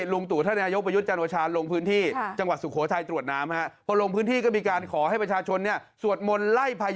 ลุงตัวท่านนายกประยุทธ